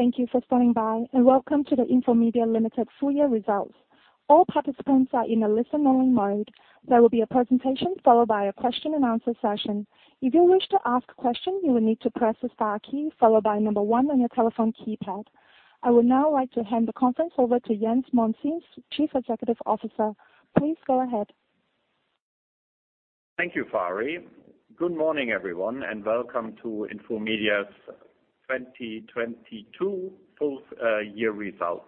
Thank you for standing by, and welcome to the Infomedia Ltd full year results. All participants are in a listen-only mode. There will be a presentation followed by a question and answer session. If you wish to ask a question, you will need to press the star key followed by number one on your telephone keypad. I would now like to hand the conference over to Jens Monsees, Chief Executive Officer. Please go ahead. Thank you, Fari. Good morning, everyone, and welcome to Infomedia's 2022 full year results.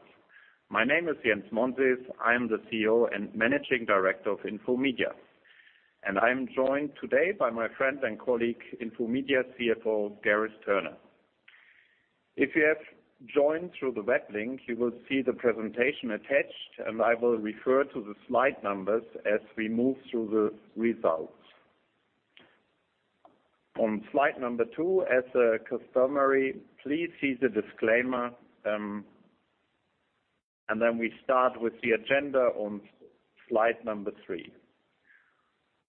My name is Jens Monsees. I am the CEO and Managing Director of Infomedia, and I'm joined today by my friend and colleague, Infomedia CFO, Gareth Turner. If you have joined through the web link, you will see the presentation attached, and I will refer to the slide numbers as we move through the results. On slide number 2, as is customary, please see the disclaimer. We start with the agenda on slide number 3.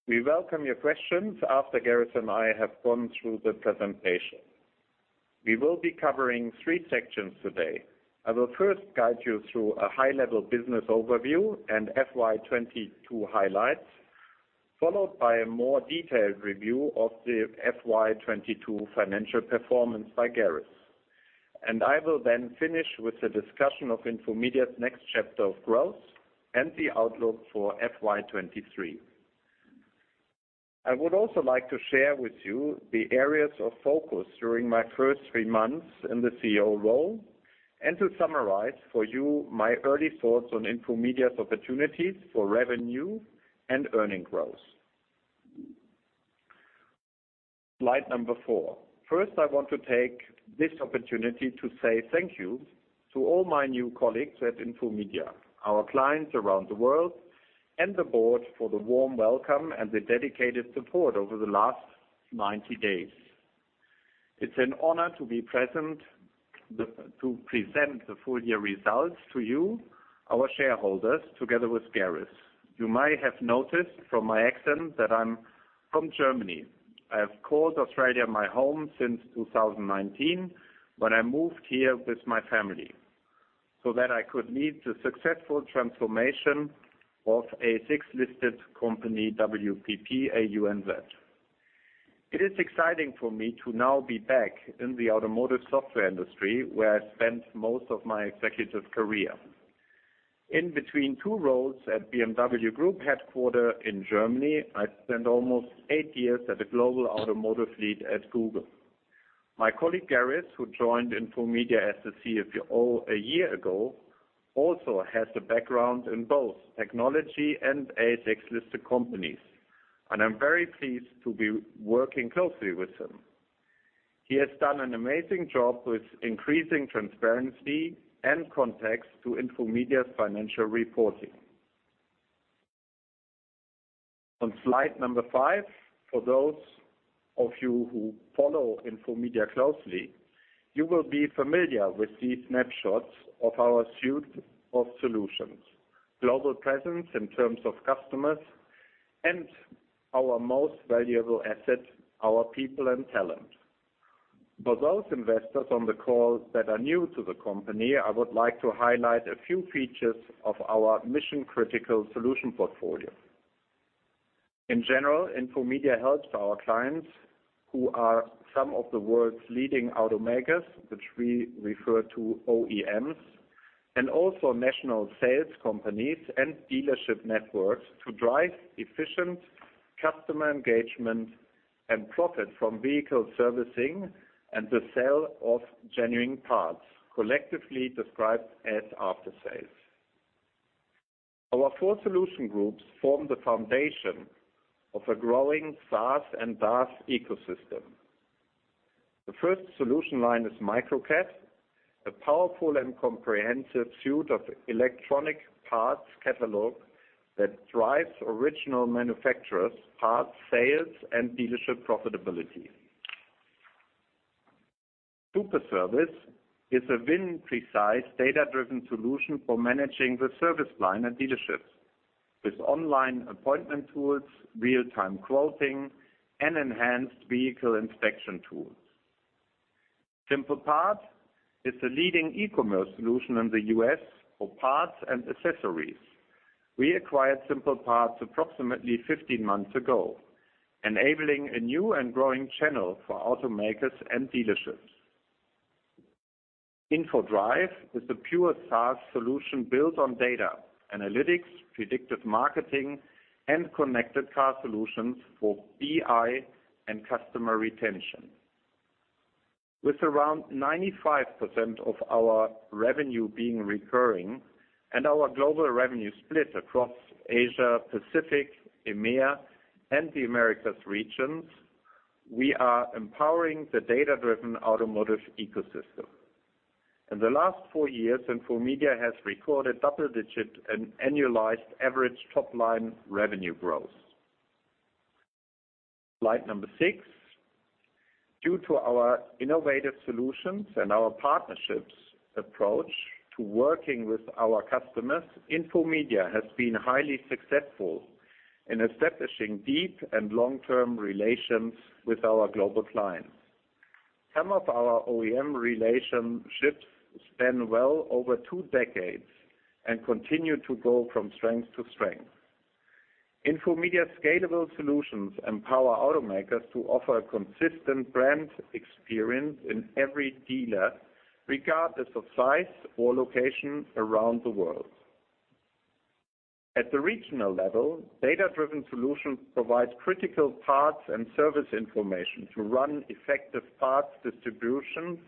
We welcome your questions after Gareth and I have gone through the presentation. We will be covering three sections today. I will first guide you through a high-level business overview and FY 2022 highlights, followed by a more detailed review of the FY 2022 financial performance by Gareth. I will then finish with a discussion of Infomedia's next chapter of growth and the outlook for FY 2023. I would also like to share with you the areas of focus during my first 3 months in the CEO role, and to summarize for you my early thoughts on Infomedia's opportunities for revenue and earning growth. Slide number 4. First, I want to take this opportunity to say thank you to all my new colleagues at Infomedia, our clients around the world, and the board for the warm welcome and the dedicated support over the last 90 days. It's an honor to present the full year results to you, our shareholders, together with Gareth. You might have noticed from my accent that I'm from Germany. I have called Australia my home since 2019, when I moved here with my family, so that I could lead the successful transformation of ASX listed company, WPP AUNZ. It is exciting for me to now be back in the automotive software industry, where I spent most of my executive career. In between two roles at BMW Group headquarters in Germany, I spent almost eight years at a global automotive fleet at Google. My colleague, Gareth, who joined Infomedia as the CFO a year ago, also has a background in both technology and ASX listed companies, and I'm very pleased to be working closely with him. He has done an amazing job with increasing transparency and context to Infomedia's financial reporting. On slide number 5, for those of you who follow Infomedia closely, you will be familiar with these snapshots of our suite of solutions, global presence in terms of customers, and our most valuable asset, our people and talent. For those investors on the call that are new to the company, I would like to highlight a few features of our mission-critical solution portfolio. In general, Infomedia helps our clients, who are some of the world's leading automakers, which we refer to OEMs, and also national sales companies and dealership networks, to drive efficient customer engagement and profit from vehicle servicing and the sale of genuine parts, collectively described as aftersales. Our four solution groups form the foundation of a growing SaaS and BaaS ecosystem. The first solution line is Microcat, a powerful and comprehensive suite of electronic parts catalog that drives original manufacturer's parts sales and dealership profitability. Superservice is a VIN-precise, data-driven solution for managing the service line at dealerships with online appointment tools, real-time quoting, and enhanced vehicle inspection tools. SimplePart is the leading e-commerce solution in the U.S. for parts and accessories. We acquired SimplePart approximately 15 months ago, enabling a new and growing channel for automakers and dealerships. Infodrive is the pure SaaS solution built on data analytics, predictive marketing, and connected car solutions for BI and customer retention. With around 95% of our revenue being recurring and our global revenue split across Asia, Pacific, EMEA, and the Americas regions, we are empowering the data-driven automotive ecosystem. In the last 4 years, Infomedia has recorded double-digit and annualized average top-line revenue growth. Slide 6. Due to our innovative solutions and our partnerships approach to working with our customers, Infomedia has been highly successful in establishing deep and long-term relations with our global clients. Some of our OEM relationships span well over two decades and continue to go from strength to strength. Infomedia's scalable solutions empower automakers to offer a consistent brand experience in every dealer, regardless of size or location around the world. At the regional level, data-driven solutions provides critical parts and service information to run effective parts distribution,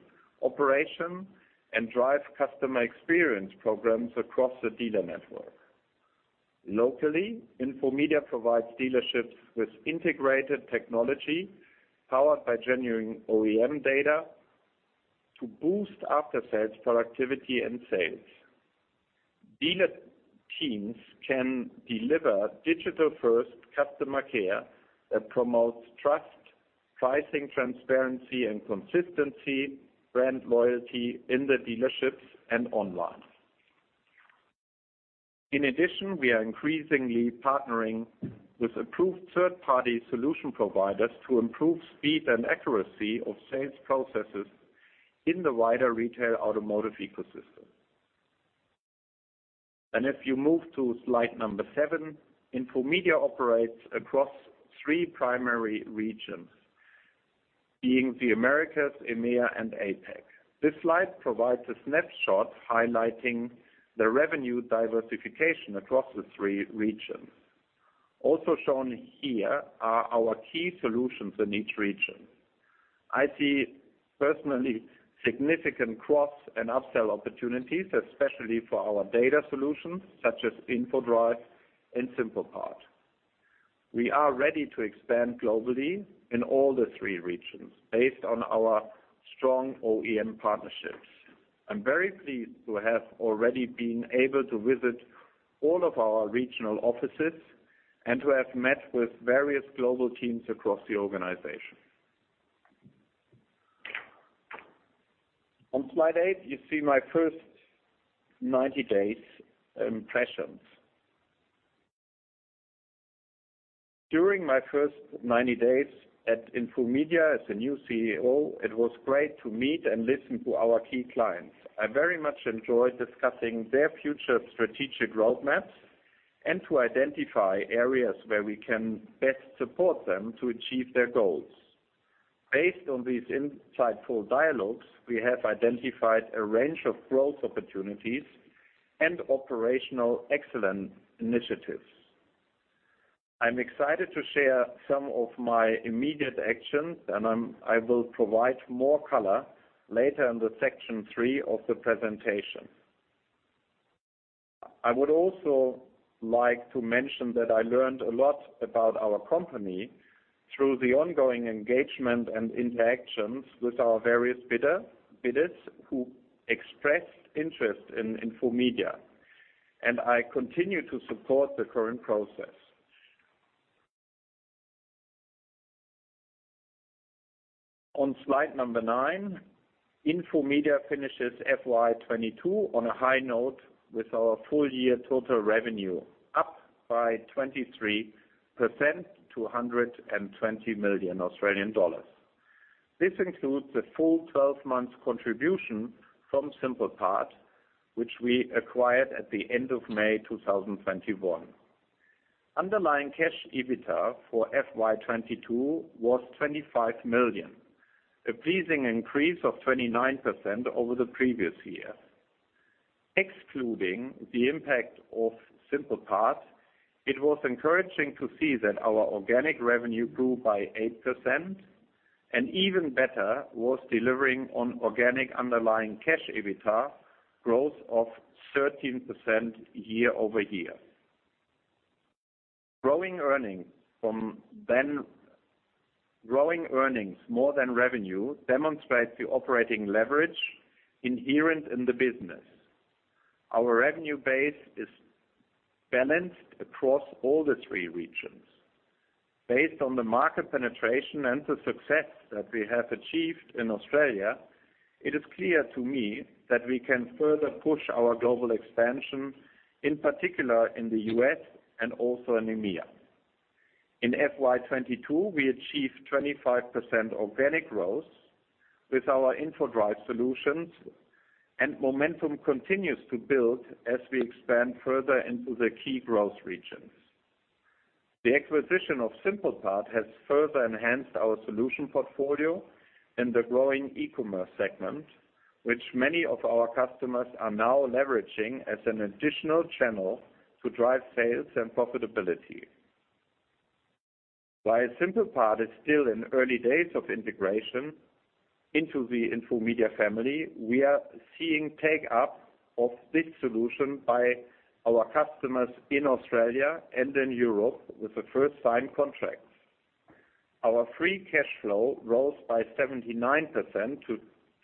operation, and drive customer experience programs across the dealer network. Locally, Infomedia provides dealerships with integrated technology powered by genuine OEM data to boost after-sales productivity and sales. Dealer teams can deliver digital-first customer care that promotes trust, pricing transparency, and consistency, brand loyalty in the dealerships and online. In addition, we are increasingly partnering with approved third-party solution providers to improve speed and accuracy of sales processes in the wider retail automotive ecosystem. If you move to slide number 7, Infomedia operates across three primary regions, being the Americas, EMEA, and APAC. This slide provides a snapshot highlighting the revenue diversification across the three regions. Also shown here are our key solutions in each region. I see personally significant cross and upsell opportunities, especially for our data solutions, such as Infodrive and SimplePart. We are ready to expand globally in all the 3 regions based on our strong OEM partnerships. I'm very pleased to have already been able to visit all of our regional offices and to have met with various global teams across the organization. On slide 8, you see my first 90 days impressions. During my first 90 days at Infomedia as a new CEO, it was great to meet and listen to our key clients. I very much enjoyed discussing their future strategic roadmaps and to identify areas where we can best support them to achieve their goals. Based on these insightful dialogues, we have identified a range of growth opportunities and operational excellence initiatives. I'm excited to share some of my immediate actions, and I will provide more color later in the section 3 of the presentation. I would also like to mention that I learned a lot about our company through the ongoing engagement and interactions with our various bidders who expressed interest in Infomedia, and I continue to support the current process. On slide 9, Infomedia finishes FY 2022 on a high note with our full year total revenue, up by 23% to 120 million Australian dollars. This includes the full 12 months contribution from SimplePart, which we acquired at the end of May 2021. Underlying cash EBITDA for FY 2022 was 25 million, a pleasing increase of 29% over the previous year. Excluding the impact of SimplePart, it was encouraging to see that our organic revenue grew by 8%, and even better was delivering on organic underlying cash EBITDA growth of 13% year over year. Growing earnings more than revenue demonstrates the operating leverage inherent in the business. Our revenue base is balanced across all three regions. Based on the market penetration and the success that we have achieved in Australia, it is clear to me that we can further push our global expansion, in particular in the U.S. and also in EMEA. In FY 2022, we achieved 25% organic growth with our Infodrive solutions, and momentum continues to build as we expand further into the key growth regions. The acquisition of SimplePart has further enhanced our solution portfolio in the growing e-commerce segment, which many of our customers are now leveraging as an additional channel to drive sales and profitability. While SimplePart is still in early days of integration into the Infomedia family, we are seeing take-up of this solution by our customers in Australia and in Europe with the first signed contracts. Our free cash flow rose by 79%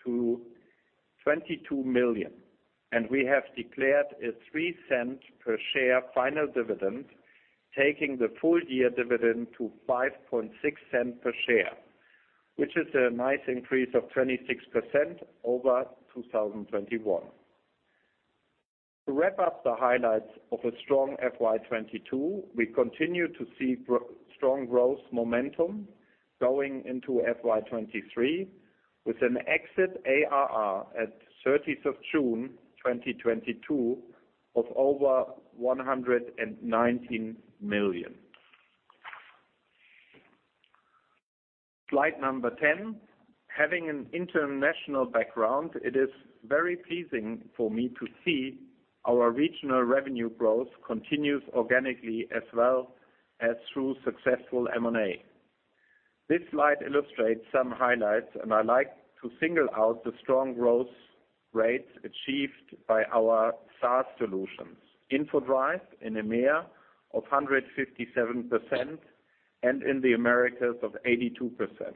to 22 million, and we have declared a 0.03 per share final dividend, taking the full year dividend to 0.056 per share, which is a nice increase of 26% over 2021. To wrap up the highlights of a strong FY 2022, we continue to see strong growth momentum going into FY 2023, with an exit ARR at 30th of June 2022 of over AUD 119 million. Slide number ten. Having an international background, it is very pleasing for me to see our regional revenue growth continues organically as well as through successful M&A. This slide illustrates some highlights, and I like to single out the strong growth rates achieved by our SaaS solutions. Infodrive in EMEA of 157% and in the Americas of 82%.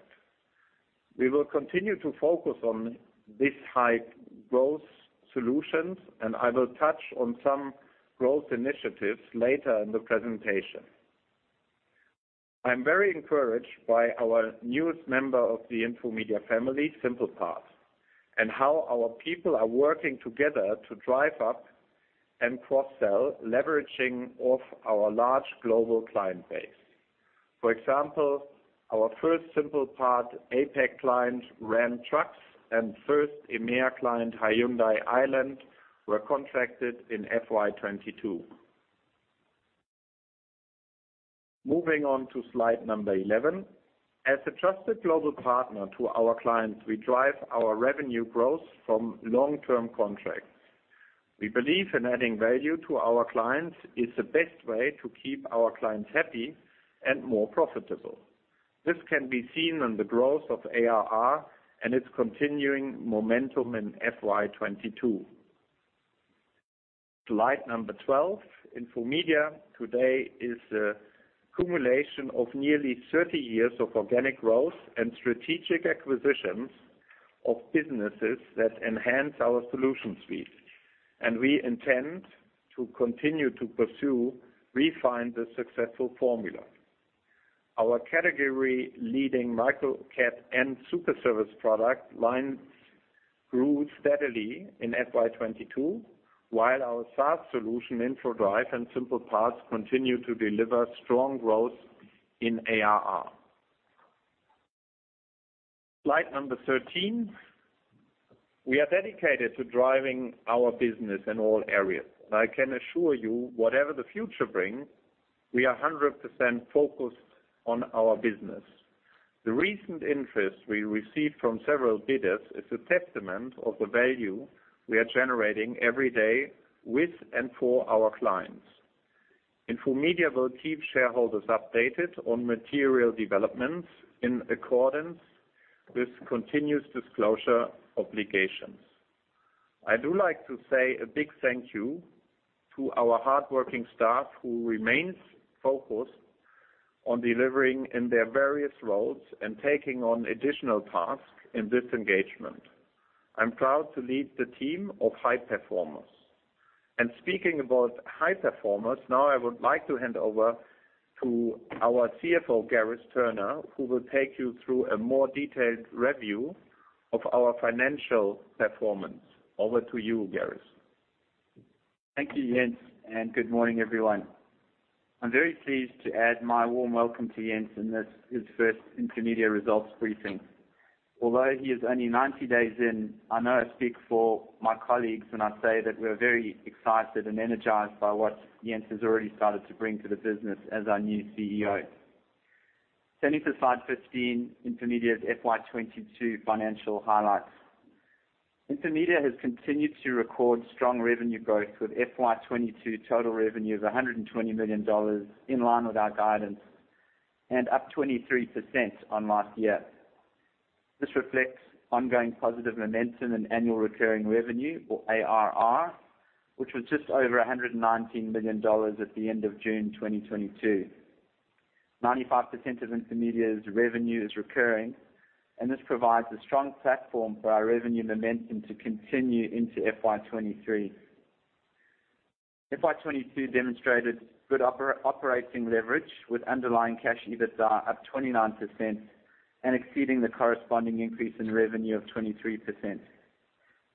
We will continue to focus on this high growth solutions, and I will touch on some growth initiatives later in the presentation. I'm very encouraged by our newest member of the Infomedia family, SimplePart, and how our people are working together to drive upsell and cross-sell, leveraging off our large global client base. For example, our first SimplePart APAC client, Renault Trucks, and first EMEA client, Hyundai Iceland, were contracted in FY 2022. Moving on to slide number 11. As a trusted global partner to our clients, we drive our revenue growth from long-term contracts. We believe in adding value to our clients is the best way to keep our clients happy and more profitable. This can be seen on the growth of ARR and its continuing momentum in FY 2022. Slide number 12. Infomedia today is the culmination of nearly 30 years of organic growth and strategic acquisitions of businesses that enhance our solution suite. We intend to continue to pursue refine the successful formula. Our category-leading Microcat and Superservice product lines grew steadily in FY 2022, while our SaaS solution, Infodrive and SimplePart, continue to deliver strong growth in ARR. Slide number 13. We are dedicated to driving our business in all areas, and I can assure you whatever the future brings, we are 100% focused on our business. The recent interest we received from several bidders is a testament of the value we are generating every day with and for our clients. Infomedia will keep shareholders updated on material developments in accordance with continuous disclosure obligations. I do like to say a big thank you to our hardworking staff who remains focused on delivering in their various roles and taking on additional tasks in this engagement. I'm proud to lead the team of high performers. Speaking about high performers, now I would like to hand over to our CFO, Gareth Turner, who will take you through a more detailed review of our financial performance. Over to you, Gareth. Thank you, Jens, and good morning, everyone. I'm very pleased to add my warm welcome to Jens in this, his first Infomedia results briefing. Although he is only 90 days in, I know I speak for my colleagues when I say that we're very excited and energized by what Jens has already started to bring to the business as our new CEO. Turning to slide 15, Infomedia's FY 2022 financial highlights. Infomedia has continued to record strong revenue growth with FY 2022 total revenue of 120 million dollars in line with our guidance and up 23% on last year. This reflects ongoing positive momentum in annual recurring revenue or ARR, which was just over 119 million dollars at the end of June 2022. 95% of Infomedia's revenue is recurring, and this provides a strong platform for our revenue momentum to continue into FY 2023. FY 2022 demonstrated good operating leverage with underlying cash EBITDA up 29% and exceeding the corresponding increase in revenue of 23%.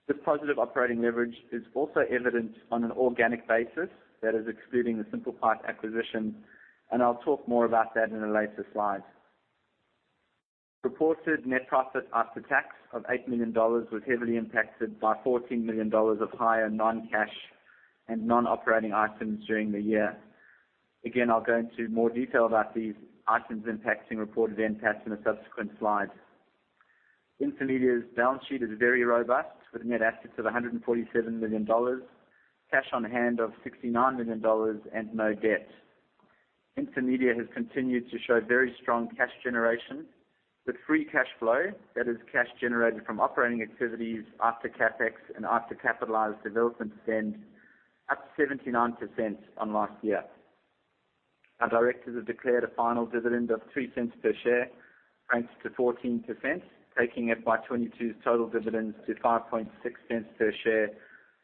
This positive operating leverage is also evident on an organic basis, that is excluding the SimplePart acquisition, and I'll talk more about that in a later slide. Reported net profit after tax of 8 million dollars was heavily impacted by 14 million dollars of higher non-cash and non-operating items during the year. Again, I'll go into more detail about these items impacting reported NPAT in a subsequent slide. Infomedia's balance sheet is very robust with net assets of 147 million dollars, cash on hand of 69 million dollars and no debt. Infomedia has continued to show very strong cash generation with free cash flow, that is cash generated from operating activities after CapEx and after capitalized development spend, up 79% on last year. Our directors have declared a final dividend of 0.02 per share, up 14%, taking FY 2022's total dividends to 0.056 per share,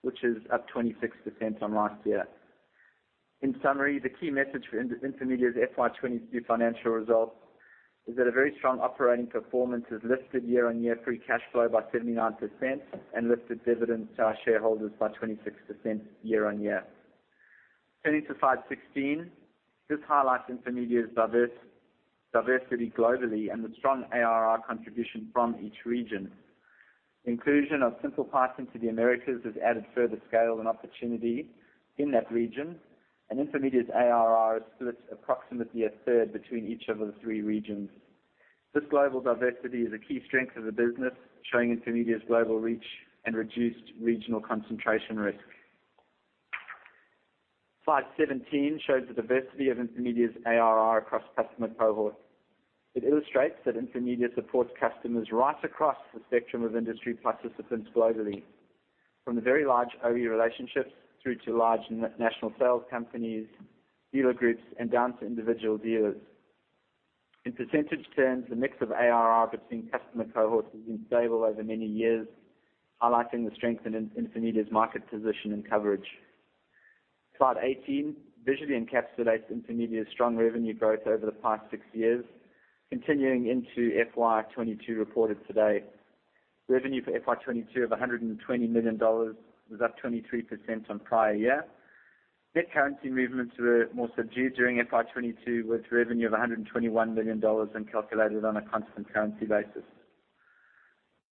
which is up 26% on last year. In summary, the key message for Infomedia's FY 2022 financial results is that a very strong operating performance has lifted year-on-year free cash flow by 79% and lifted dividends to our shareholders by 26% year on year. Turning to slide 16. This highlights Infomedia's diversity globally and the strong ARR contribution from each region. Inclusion of SimplePart into the Americas has added further scale and opportunity in that region, and Infomedia's ARR is split approximately a third between each of the three regions. This global diversity is a key strength of the business, showing Infomedia's global reach and reduced regional concentration risk. Slide 17 shows the diversity of Infomedia's ARR across customer cohort. It illustrates that Infomedia supports customers right across the spectrum of industry participants globally, from the very large OE relationships through to large national sales companies, dealer groups, and down to individual dealers. In percentage terms, the mix of ARR between customer cohorts has been stable over many years, highlighting the strength in Infomedia's market position and coverage. Slide 18 visually encapsulates Infomedia's strong revenue growth over the past six years, continuing into FY 2022 reported today. Revenue for FY 22 of 120 million dollars was up 23% on prior year. Net currency movements were more subdued during FY 22, with revenue of 121 million dollars when calculated on a constant currency basis.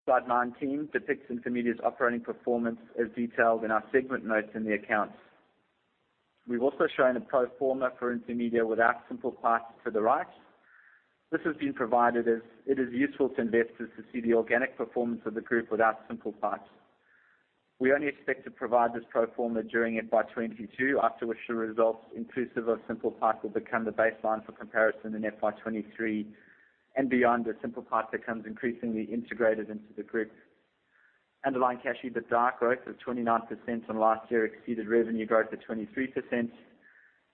Slide 19 depicts Infomedia's operating performance as detailed in our segment notes in the accounts. We've also shown a pro forma for Infomedia without SimplePart to the right. This has been provided as it is useful to investors to see the organic performance of the group without SimplePart. We only expect to provide this pro forma during FY 22, after which the results inclusive of SimplePart will become the baseline for comparison in FY 23 and beyond, as SimplePart becomes increasingly integrated into the group. Underlying cash EBITDA growth of 29% on last year exceeded revenue growth of 23%.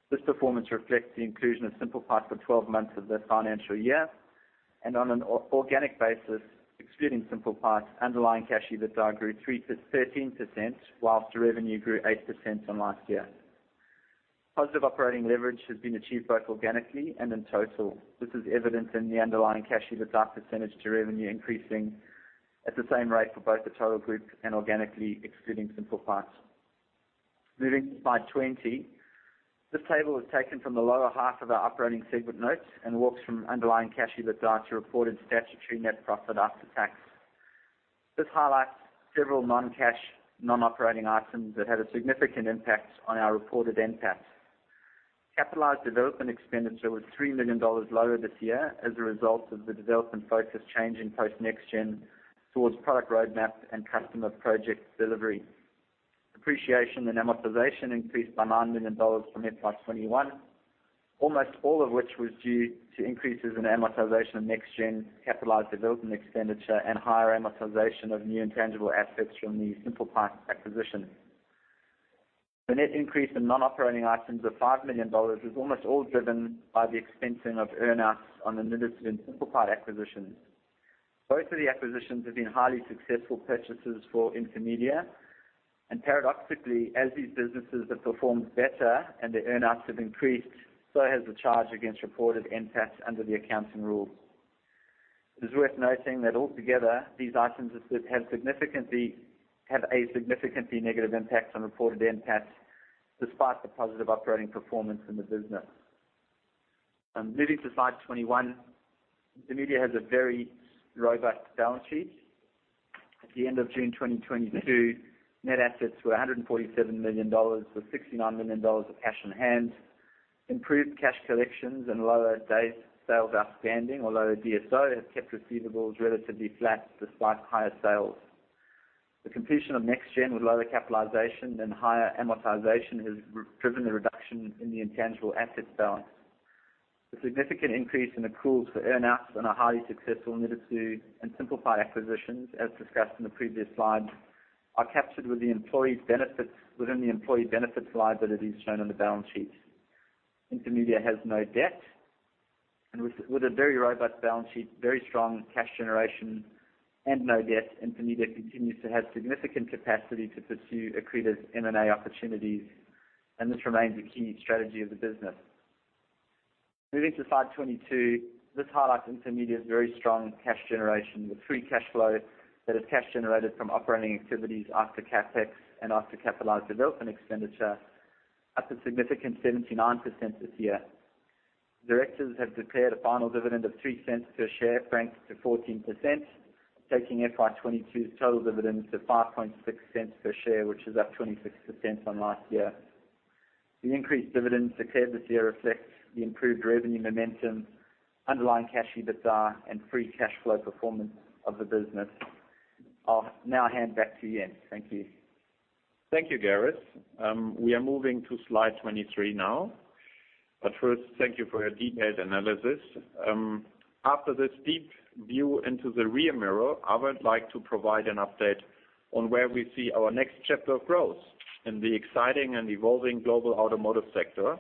This performance reflects the inclusion of SimplePart for 12 months of the financial year. On an organic basis, excluding SimplePart, underlying cash EBITDA grew 3%-13%, while revenue grew 8% on last year. Positive operating leverage has been achieved both organically and in total. This is evident in the underlying cash EBITDA percentage to revenue increasing at the same rate for both the total group and organically excluding SimplePart. Moving to slide 20. This table is taken from the lower half of our operating segment notes and walks from underlying cash EBITDA to reported statutory net profit after tax. This highlights several non-cash, non-operating items that had a significant impact on our reported NPAT. Capitalized development expenditure was $3 million lower this year as a result of the development focus changing post NextGen towards product roadmap and customer project delivery. Depreciation and amortization increased by 9 million dollars from FY 2021, almost all of which was due to increases in amortization of NextGen capitalized development expenditure and higher amortization of new intangible assets from the SimplePart acquisition. The net increase in non-operating items of 5 million dollars was almost all driven by the expensing of earn outs on the Nidasu and SimplePart acquisitions. Both of the acquisitions have been highly successful purchases for Infomedia. Paradoxically, as these businesses have performed better and the earn outs have increased, so has the charge against reported NPAT under the accounting rules. It is worth noting that altogether, these items had a significantly negative impact on reported NPAT, despite the positive operating performance in the business. Moving to slide 21. Infomedia has a very robust balance sheet. At the end of June 2022, net assets were 147 million dollars, with 69 million dollars of cash on hand. Improved cash collections and lower days sales outstanding or lower DSO have kept receivables relatively flat despite higher sales. The completion of NextGen, with lower capitalization and higher amortization, has driven the reduction in the intangible asset balance. The significant increase in accruals for earn outs on our highly successful Nidasu and SimplePart acquisitions, as discussed in the previous slide, are captured with the employee benefits within the employee benefits liabilities shown on the balance sheet. Infomedia has no debt. With a very robust balance sheet, very strong cash generation, and no debt, Infomedia continues to have significant capacity to pursue accretive M&A opportunities, and this remains a key strategy of the business. Moving to slide 22. This highlights Infomedia's very strong cash generation, with free cash flow that is cash generated from operating activities after CapEx and after capitalized development expenditure, up a significant 79% this year. Directors have declared a final dividend of 0.03 per share, franked to 14%, taking FY 2022's total dividends to 0.056 per share, which is up 26% on last year. The increased dividends declared this year reflects the improved revenue momentum, underlying cash EBITDA, and free cash flow performance of the business. I'll now hand back to Jens. Thank you. Thank you, Gareth. We are moving to slide 23 now. First, thank you for your detailed analysis. After this deep view into the rear mirror, I would like to provide an update on where we see our next chapter of growth in the exciting and evolving global automotive sector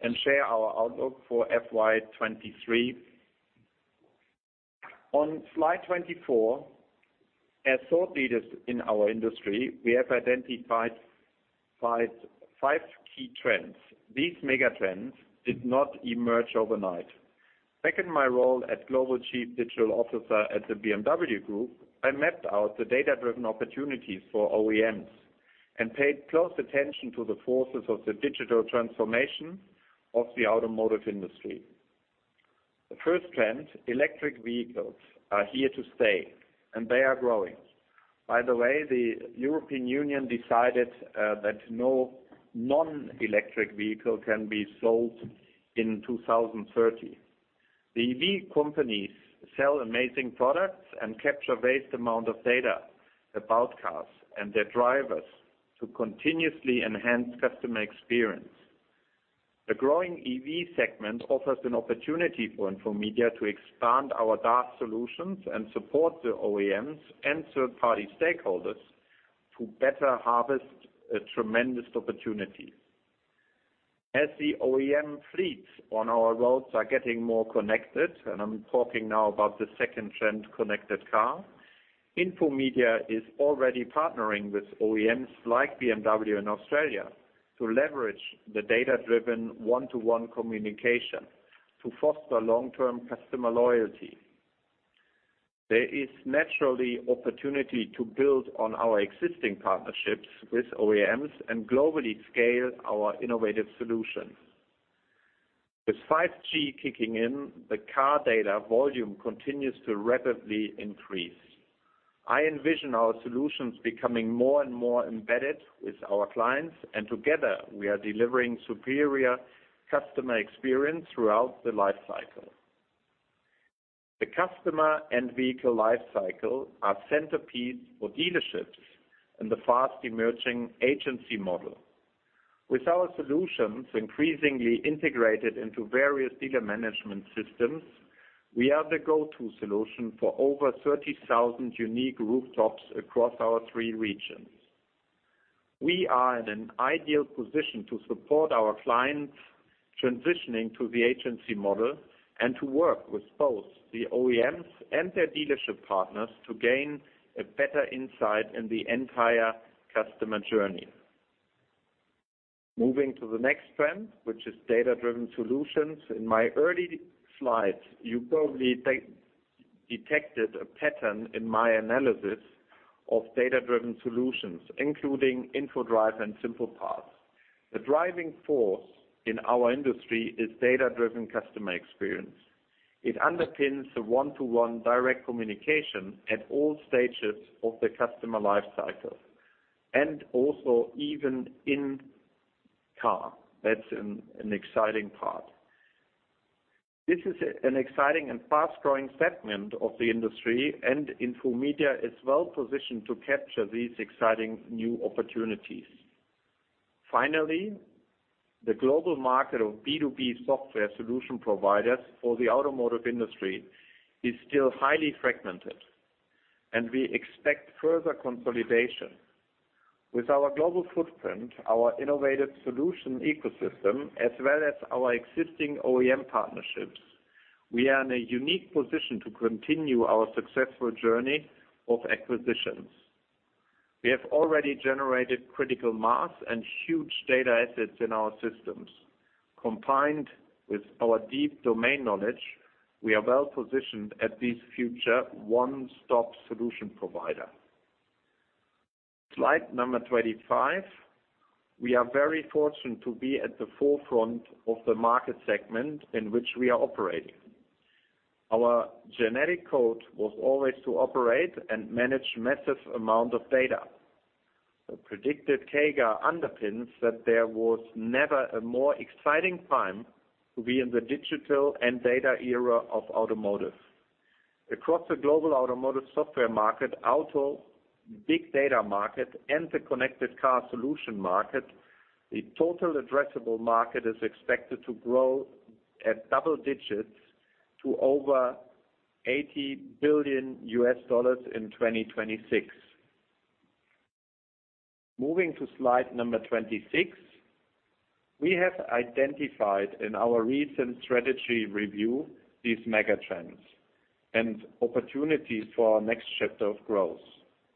and share our outlook for FY 23. On slide 24, as thought leaders in our industry, we have identified five key trends. These mega trends did not emerge overnight. Back in my role as Global Chief Digital Officer at the BMW Group, I mapped out the data-driven opportunities for OEMs and paid close attention to the forces of the digital transformation of the automotive industry. The first trend, electric vehicles are here to stay, and they are growing. By the way, the European Union decided that no non-electric vehicle can be sold in 2030. The EV companies sell amazing products and capture vast amount of data about cars and their drivers to continuously enhance customer experience. The growing EV segment offers an opportunity for Infomedia to expand our DAS solutions and support the OEMs and third-party stakeholders to better harvest a tremendous opportunity. As the OEM fleets on our roads are getting more connected, and I'm talking now about the second trend, connected car, Infomedia is already partnering with OEMs like BMW Australia to leverage the data-driven one-to-one communication to foster long-term customer loyalty. There is naturally opportunity to build on our existing partnerships with OEMs and globally scale our innovative solutions. With 5G kicking in, the car data volume continues to rapidly increase. I envision our solutions becoming more and more embedded with our clients, and together, we are delivering superior customer experience throughout the life cycle. The customer and vehicle life cycle are centerpieces for dealerships in the fast-emerging agency model. With our solutions increasingly integrated into various dealer management systems, we are the go-to solution for over 30,000 unique rooftops across our three regions. We are in an ideal position to support our clients transitioning to the agency model and to work with both the OEMs and their dealership partners to gain a better insight in the entire customer journey. Moving to the next trend, which is data-driven solutions. In my early slides, you probably detected a pattern in my analysis of data-driven solutions, including Infodrive and SimplePart. The driving force in our industry is data-driven customer experience. It underpins the one-to-one direct communication at all stages of the customer life cycle, and also even in car. That's an exciting part. This is an exciting and fast-growing segment of the industry, and Infomedia is well-positioned to capture these exciting new opportunities. Finally, the global market of B2B software solution providers for the automotive industry is still highly fragmented, and we expect further consolidation. With our global footprint, our innovative solution ecosystem, as well as our existing OEM partnerships, we are in a unique position to continue our successful journey of acquisitions. We have already generated critical mass and huge data assets in our systems. Combined with our deep domain knowledge, we are well-positioned as this future one-stop solution provider. Slide number 25, we are very fortunate to be at the forefront of the market segment in which we are operating. Our genetic code was always to operate and manage massive amount of data. The predicted CAGR underpins that there was never a more exciting time to be in the digital and data era of automotive. Across the global automotive software market, auto big data market, and the connected car solution market, the total addressable market is expected to grow at double digits to over $80 billion in 2026. Moving to slide number 26, we have identified in our recent strategy review these mega trends and opportunities for our next chapter of growth.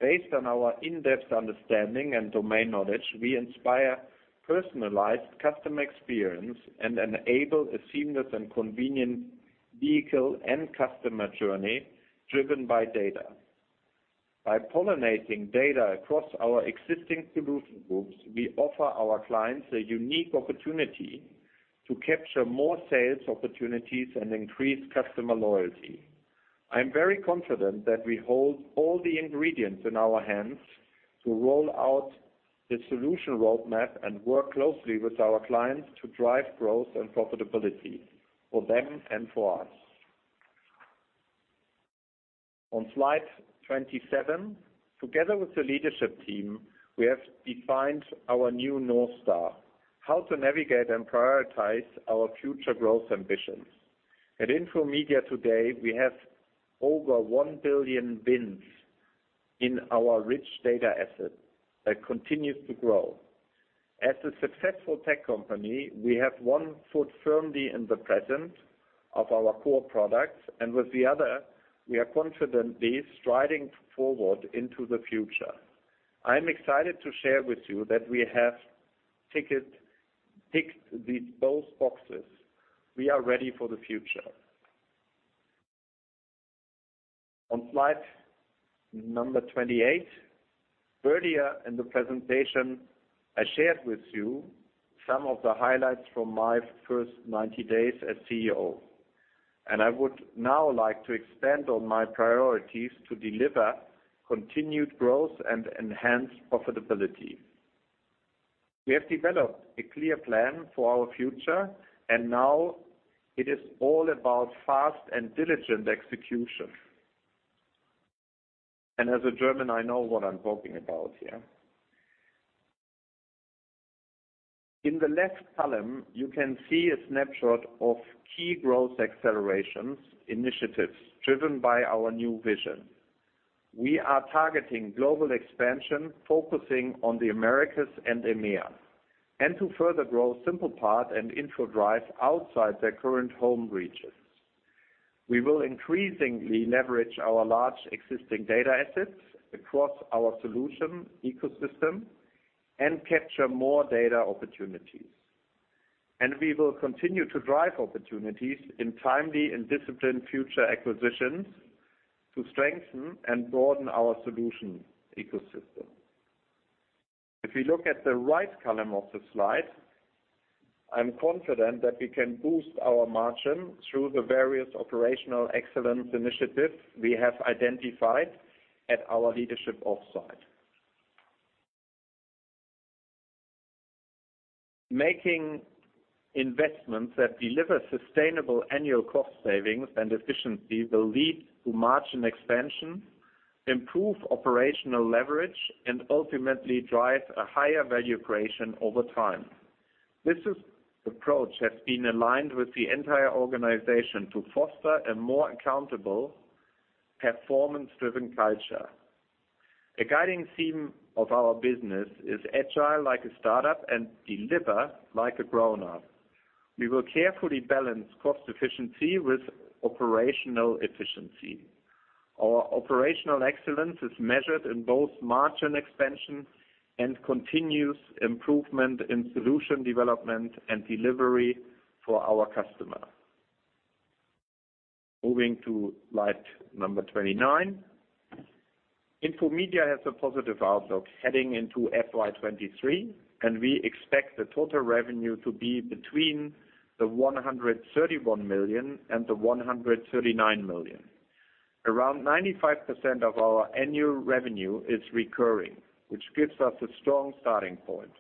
Based on our in-depth understanding and domain knowledge, we inspire personalized customer experience and enable a seamless and convenient vehicle and customer journey driven by data. By pollinating data across our existing solution groups, we offer our clients a unique opportunity to capture more sales opportunities and increase customer loyalty. I'm very confident that we hold all the ingredients in our hands to roll out the solution roadmap and work closely with our clients to drive growth and profitability for them and for us. On slide 27, together with the leadership team, we have defined our new North Star, how to navigate and prioritize our future growth ambitions. At Infomedia today, we have over 1 billion VINs in our rich data asset that continues to grow. As a successful tech company, we have one foot firmly in the present of our core products, and with the other, we are confidently striding forward into the future. I'm excited to share with you that we have ticked those boxes. We are ready for the future. On slide number 28. Earlier in the presentation, I shared with you some of the highlights from my first 90 days as CEO, and I would now like to expand on my priorities to deliver continued growth and enhanced profitability. We have developed a clear plan for our future, and now it is all about fast and diligent execution. As a German, I know what I'm talking about here. In the left column, you can see a snapshot of key growth accelerations initiatives driven by our new vision. We are targeting global expansion, focusing on the Americas and EMEA, and to further grow SimplePart and Infodrive outside their current home regions. We will increasingly leverage our large existing data assets across our solution ecosystem and capture more data opportunities. We will continue to drive opportunities in timely and disciplined future acquisitions to strengthen and broaden our solution ecosystem. If you look at the right column of the slide, I'm confident that we can boost our margin through the various operational excellence initiatives we have identified at our leadership offsite. Making investments that deliver sustainable annual cost savings and efficiency will lead to margin expansion, improve operational leverage, and ultimately drive a higher value creation over time. This approach has been aligned with the entire organization to foster a more accountable, performance-driven culture. A guiding theme of our business is agile like a startup and deliver like a grownup. We will carefully balance cost efficiency with operational efficiency. Our operational excellence is measured in both margin expansion and continuous improvement in solution development and delivery for our customer. Moving to slide number 29. Infomedia has a positive outlook heading into FY 2023, and we expect the total revenue to be between 131 million and 139 million. Around 95% of our annual revenue is recurring, which gives us a strong starting point.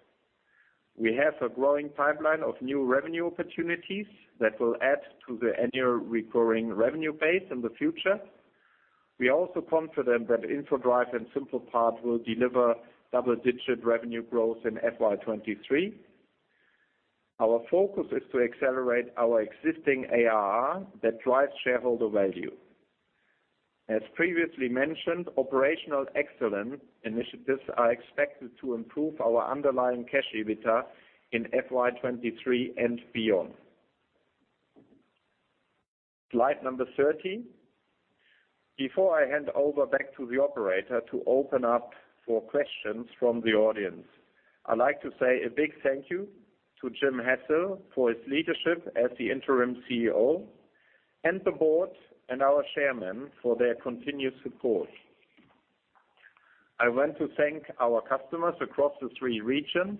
We have a growing pipeline of new revenue opportunities that will add to the annual recurring revenue base in the future. We are also confident that Infodrive and SimplePart will deliver double-digit revenue growth in FY 2023. Our focus is to accelerate our existing ARR that drives shareholder value. As previously mentioned, operational excellence initiatives are expected to improve our underlying cash EBITDA in FY 2023 and beyond. Slide number 30. Before I hand over back to the operator to open up for questions from the audience, I'd like to say a big thank you to Jim Hassell for his leadership as the interim CEO, and the board and our chairman for their continued support. I want to thank our customers across the three regions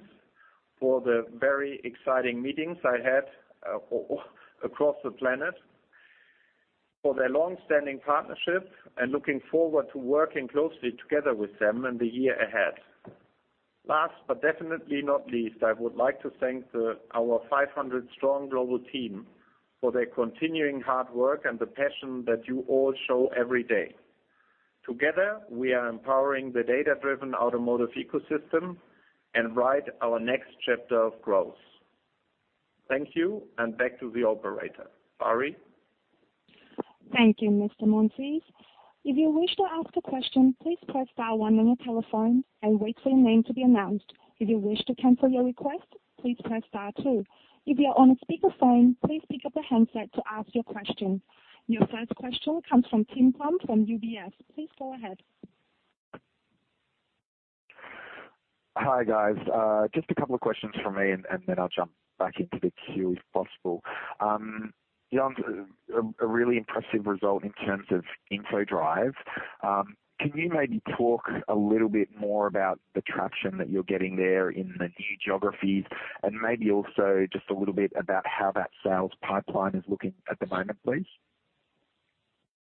for the very exciting meetings I had across the planet, for their long-standing partnership, and looking forward to working closely together with them in the year ahead. Last, but definitely not least, I would like to thank our 500 strong global team for their continuing hard work and the passion that you all show every day. Together, we are empowering the data-driven automotive ecosystem and write our next chapter of growth. Thank you, and back to the operator. Ari? Thank you, Mr. Monsees. If you wish to ask a question, please press star one on your telephone and wait for your name to be announced. If you wish to cancel your request, please press star two. If you are on a speakerphone, please pick up the handset to ask your question. Your first question comes from Tim Plumbe from UBS. Please go ahead. Hi, guys. Just a couple of questions from me, and then I'll jump back into the queue if possible. Jens, a really impressive result in terms of Infodrive. Can you maybe talk a little bit more about the traction that you're getting there in the new geographies, and maybe also just a little bit about how that sales pipeline is looking at the moment, please?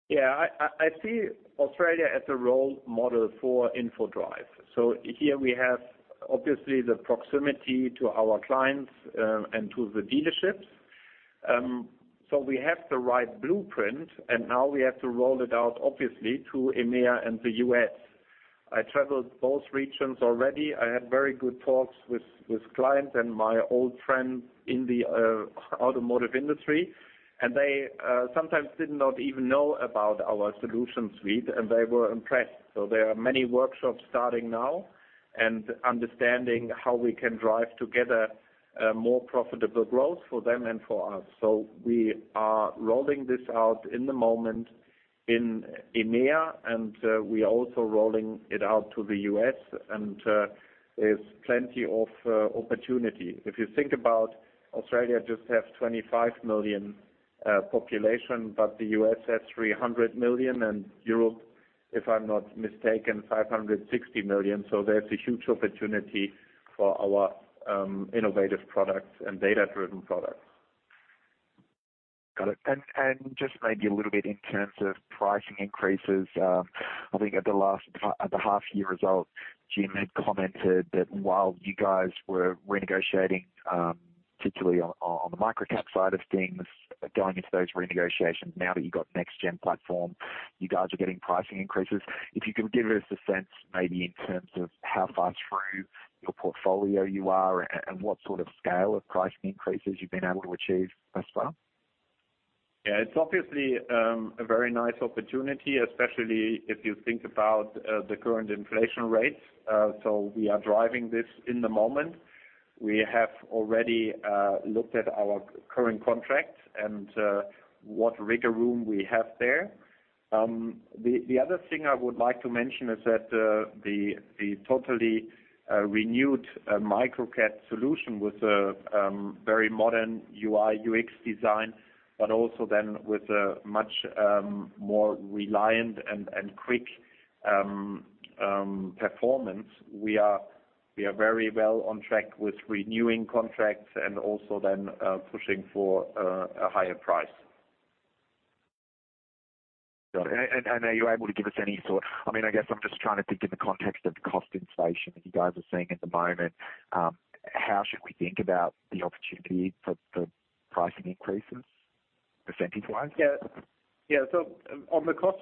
Yeah. I see Australia as a role model for Infodrive. Here we have obviously the proximity to our clients, and to the dealerships. We have the right blueprint, and now we have to roll it out obviously to EMEA and the U.S.. I traveled both regions already. I had very good talks with clients and my old friends in the automotive industry, and they sometimes did not even know about our solution suite, and they were impressed. There are many workshops starting now and understanding how we can drive together more profitable growth for them and for us. We are rolling this out in the moment in EMEA, and we are also rolling it out to the U.S., and there's plenty of opportunity. If you think about Australia just have 25 million population, but the U.S. has 300 million, and Europe, if I'm not mistaken, 560 million. There's a huge opportunity for our innovative products and data-driven products. Got it. Just maybe a little bit in terms of pricing increases. I think at the half year result, Jim had commented that while you guys were renegotiating, particularly on the Microcat side of things, going into those renegotiations, now that you've got NextGen platform, you guys are getting pricing increases. If you could give us a sense maybe in terms of how far through your portfolio you are and what sort of scale of pricing increases you've been able to achieve thus far. Yeah. It's obviously a very nice opportunity, especially if you think about the current inflation rates. We are driving this in the moment. We have already looked at our current contracts and what wiggle room we have there. The other thing I would like to mention is that the totally renewed Microcat solution with a very modern UI, UX design, but also then with a much more reliable and quick performance. We are very well on track with renewing contracts and also then pushing for a higher price. Got it. Are you able to give us any sort, I mean, I guess I'm just trying to think in the context of the cost inflation that you guys are seeing at the moment, how should we think about the opportunity for pricing increases percentage-wise? On the cost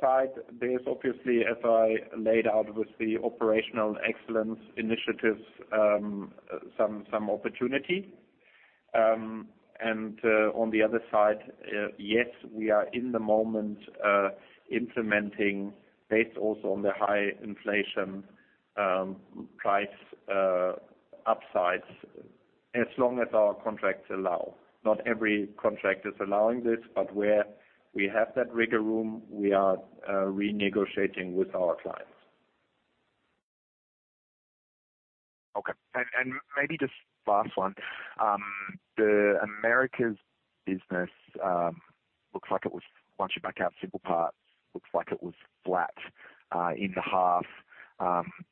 side, there's obviously, as I laid out with the operational excellence initiatives, some opportunity. On the other side, yes, we are at the moment implementing based also on the high inflation, price upsides as long as our contracts allow. Not every contract is allowing this, but where we have that wiggle room, we are renegotiating with our clients. Okay. Maybe just last one. The Americas business looks like it was once you back out SimplePart, looks like it was flat in the half.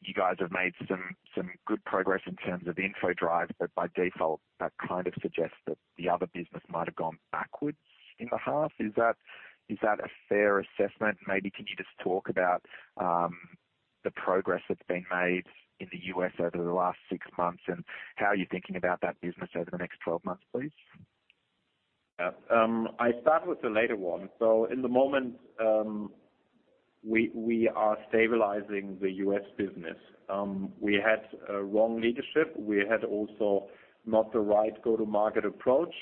You guys have made some good progress in terms of Infodrive, but by default, that kind of suggests that the other business might have gone backwards in the half. Is that a fair assessment? Maybe can you just talk about the progress that's been made in the U.S. over the last 6 months and how you're thinking about that business over the next 12 months, please? Yeah. I start with the latter one. In the moment, we are stabilizing the U.S. business. We had a wrong leadership. We had also not the right go-to-market approach.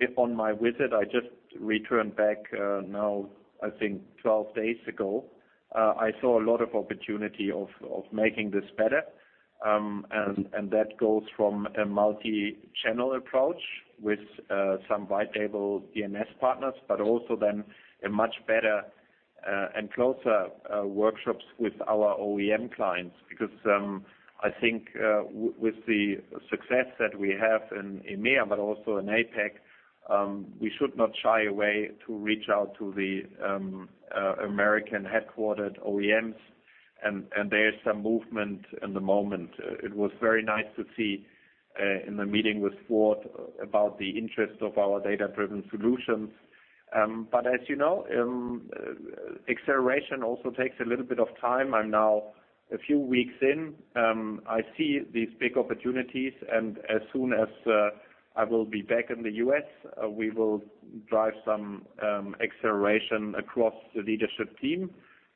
If on my visit, I just returned back, now, I think 12 days ago, I saw a lot of opportunity of making this better. That goes from a multi-channel approach with some white label DMS partners, but also then a much better and closer workshops with our OEM clients. Because I think with the success that we have in EMEA but also in APAC, we should not shy away to reach out to the American headquartered OEMs. There is some movement in the moment. It was very nice to see in the meeting with Ford about the interest of our data-driven solutions. As you know, acceleration also takes a little bit of time. I'm now a few weeks in. I see these big opportunities, and as soon as I will be back in the U.S., we will drive some acceleration across the leadership team,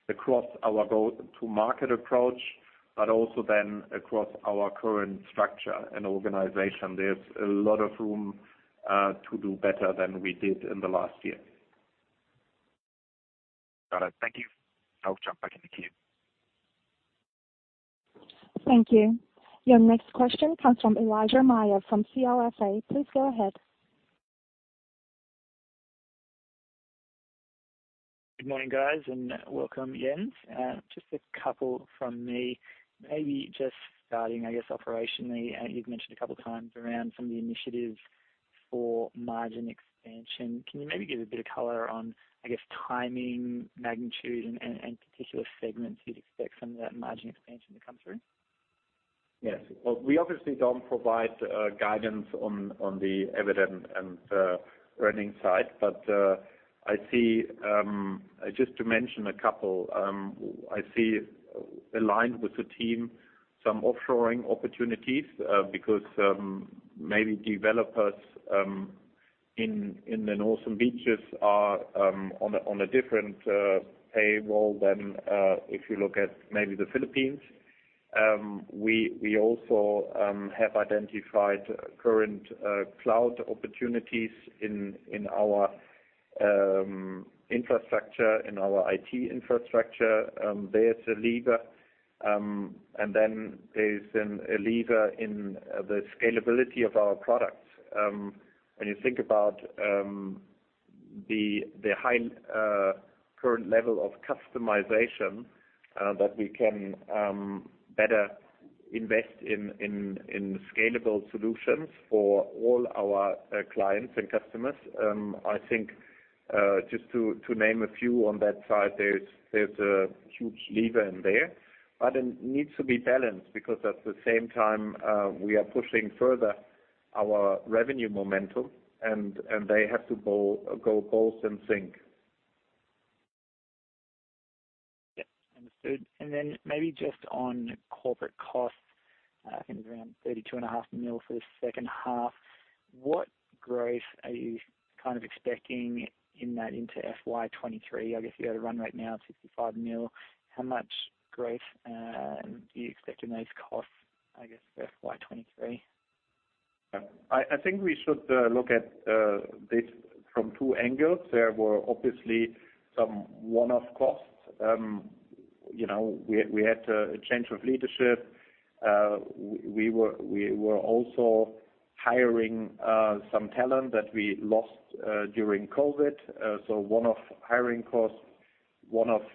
across our go-to-market approach, but also then across our current structure and organization. There's a lot of room to do better than we did in the last year. Got it. Thank you. I'll jump back in the queue. Thank you. Your next question comes from Elijah Mayr from CLSA. Please go ahead. Good morning, guys, and welcome, Jens. Just a couple from me. Maybe just starting, I guess, operationally, you've mentioned a couple of times around some of the initiatives for margin expansion. Can you maybe give a bit of color on, I guess, timing, magnitude and particular segments you'd expect some of that margin expansion to come through? Yes. Well, we obviously don't provide guidance on the EBITDA and running side. I see just to mention a couple, I see aligned with the team some offshoring opportunities, because maybe developers in the Northern Beaches are on a different payroll than if you look at maybe the Philippines. We also have identified current cloud opportunities in our infrastructure, in our IT infrastructure, there's a lever. There's a lever in the scalability of our products. When you think about the high current level of customization that we can better invest in scalable solutions for all our clients and customers. I think just to name a few on that side, there's a huge lever in there. It needs to be balanced because at the same time we are pushing further our revenue momentum and they have to go both in sync. Yeah. Understood. Maybe just on corporate costs, I think it was around 32.5 million for the H 2. What growth are you kind of expecting in that into FY 2023? I guess you had a run rate now of 65 million. How much growth are you expecting those costs, I guess, for FY 2023? Yeah. I think we should look at this from two angles. There were obviously some one-off costs. You know, we had a change of leadership. We were also hiring some talent that we lost during COVID. One-off hiring costs, one-off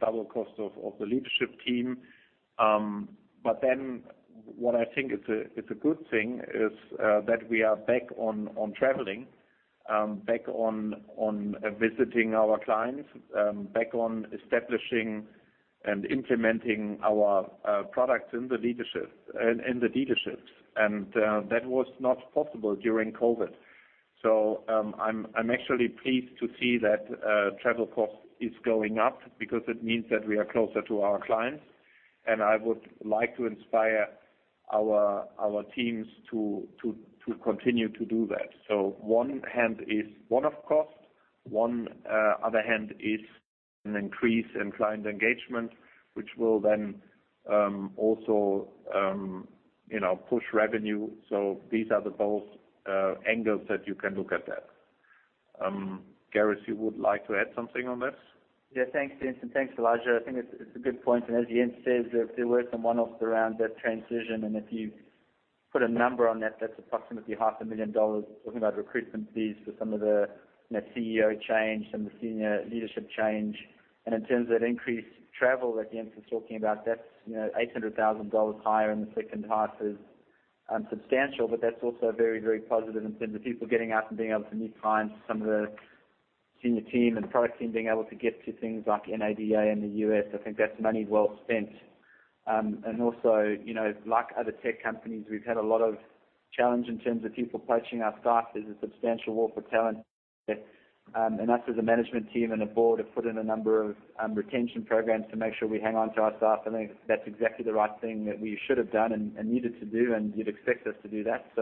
double cost of the leadership team. What I think is a good thing is that we are back on traveling, back on visiting our clients, back on establishing and implementing our products in the dealerships. That was not possible during COVID. I'm actually pleased to see that travel cost is going up because it means that we are closer to our clients, and I would like to inspire our teams to continue to do that. On one hand is one-off costs. On the other hand is an increase in client engagement, which will then also you know push revenue. These are both angles that you can look at that. Gareth, would you like to add something on this? Yeah. Thanks, Jens. Thanks, Elijah. I think it's a good point. As Jens says, there were some one-offs around that transition. If you put a number on that's approximately half a million AUD. Talking about recruitment fees for some of the CEO change, some of the senior leadership change. In terms of increased travel that Jens was talking about, that's 800,000 dollars higher in the H 2 is substantial. That's also very, very positive in terms of people getting out and being able to meet clients. Some of the senior team and product team being able to get to things like NADA in the U.S. I think that's money well spent. also like other tech companies, we've had a lot of challenge in terms of people poaching our staff. There's a substantial war for talent. Us as a management team and a board have put in a number of retention programs to make sure we hang on to our staff. I think that's exactly the right thing that we should have done and needed to do, and you'd expect us to do that.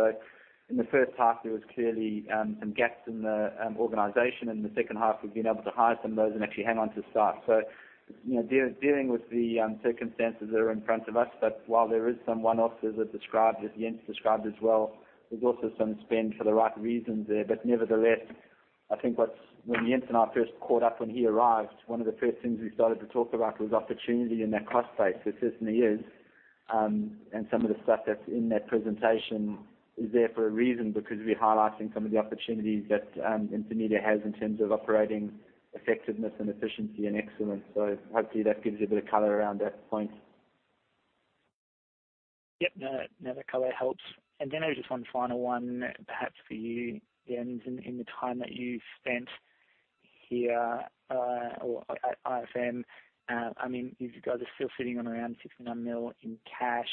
In the H 1, there was clearly some gaps in the organization. In the H 2, we've been able to hire some of those and actually hang on to staff. You know, dealing with the circumstances that are in front of us. While there is some one-offs, as I described, as Jens described as well, there's also some spend for the right reasons there. Nevertheless, I think what's When Jens and I first caught up when he arrived, one of the first things we started to talk about was opportunity in that cost base. There certainly is. Some of the stuff that's in that presentation is there for a reason, because we're highlighting some of the opportunities that, Infomedia has in terms of operating effectiveness and efficiency and excellence. Hopefully that gives a bit of color around that point. Yep. No, no, that color helps. I just one final one perhaps for you, Jens, in the time that you've spent here, or at IFM. I mean, you guys are still sitting on around 69 million in cash,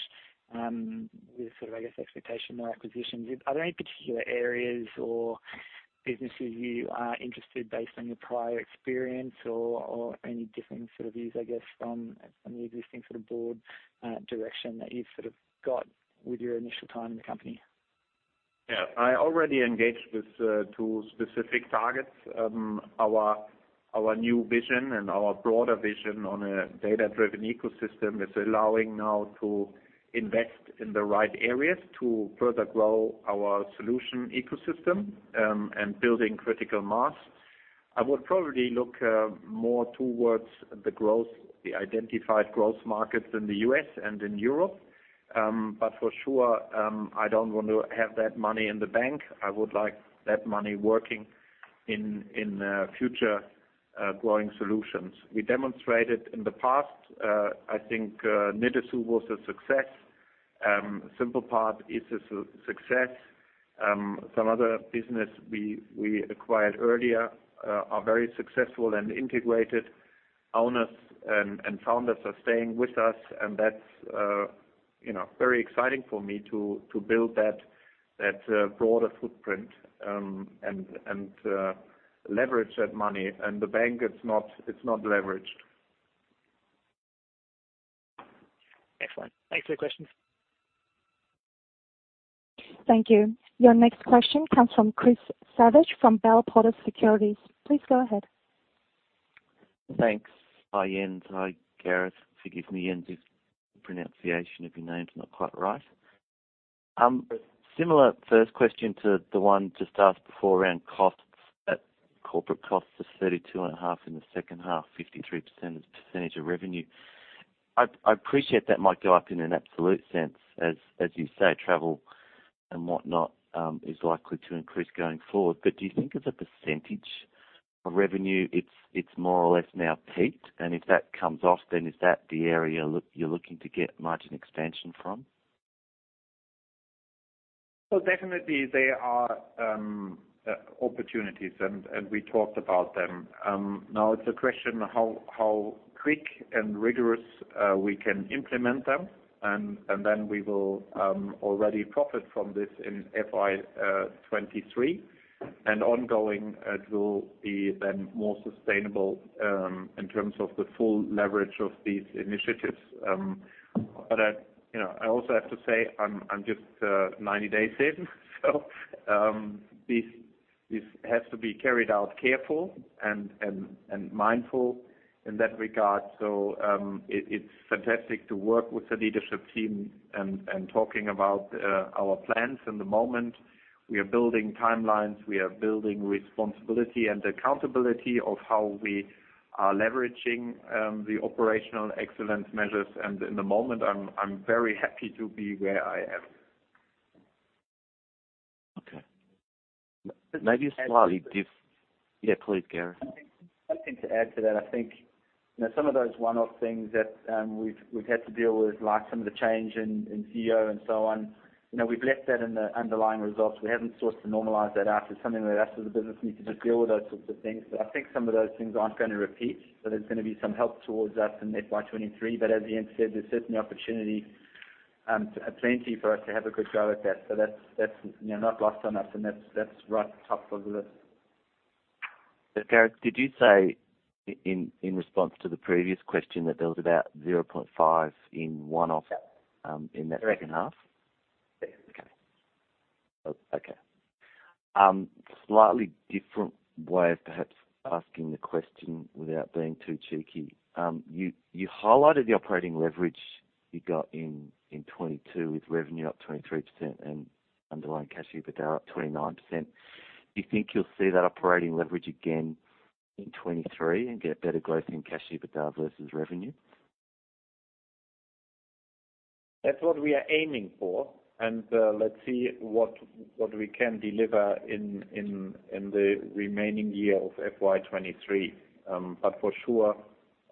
with sort of, I guess, expectation of more acquisitions. Are there any particular areas or businesses you are interested based on your prior experience or any differing sort of views, I guess, from the existing sort of board direction that you've sort of got with your initial time in the company? Yeah. I already engaged with two specific targets. Our new vision and our broader vision on a data-driven ecosystem is allowing now to invest in the right areas to further grow our solution ecosystem and building critical mass. I would probably look more towards the growth, the identified growth markets in the U.S. and in Europe. For sure, I don't want to have that money in the bank. I would like that money working in future growing solutions. We demonstrated in the past, I think, Nidasu was a success. SimplePart is a success. Some other business we acquired earlier are very successful and integrated. Owners and founders are staying with us, and that's very exciting for me to build that broader footprint and leverage that money. In the bank it's not leveraged. Excellent. Thanks for the questions. Thank you. Your next question comes from Chris Savage from Bell Potter Securities. Please go ahead. Thanks. Hi, Jens. Hi, Gareth. Forgive me, Jens, if pronunciation of your name is not quite right. Similar first question to the one just asked before around costs, that corporate cost of 32.5 in the H 2, 53% as a percentage of revenue. I appreciate that might go up in an absolute sense, as you say, travel and whatnot, is likely to increase going forward. Do you think as a percentage of revenue, it's more or less now peaked? If that comes off, then is that the area you're looking to get margin expansion from? Definitely there are opportunities and we talked about them. Now it's a question how quick and rigorous we can implement them, and then we will already profit from this in FY 2023. Ongoing, it will be then more sustainable in terms of the full leverage of these initiatives. You know, I also have to say I'm just 90 days in, so this has to be carried out careful and mindful in that regard. It's fantastic to work with the leadership team and talking about our plans in the moment. We are building timelines, we are building responsibility and accountability of how we are leveraging the operational excellence measures. In the moment, I'm very happy to be where I am. Okay. Yeah, please, Gareth. Something to add to that. I think some of those one-off things that, we've had to deal with, like some of the change in CEO and so on we've left that in the underlying results. We haven't sought to normalize that out. It's something that us as a business need to just deal with those sorts of things. I think some of those things aren't gonna repeat, so there's gonna be some help towards us in FY 2023. As Jens said, there's certainly opportunity, plenty for us to have a good go at that. that's not lost on us and that's right at the top of the list. Gareth, did you say in response to the previous question that there was about 0.5 in one-off in that H 2? Yeah. Okay. Slightly different way of perhaps asking the question without being too cheeky. You highlighted the operating leverage you got in 2022, with revenue up 23% and underlying cash EBITDA up 29%. Do you think you'll see that operating leverage again in 2023 and get better growth in cash EBITDA versus revenue? That's what we are aiming for, and let's see what we can deliver in the remaining year of FY 2023. For sure,